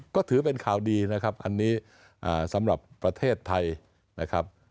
ก็ถือเป็นข่าวดีนะครับอันนี้สำหรับประเทศไทยนะครับ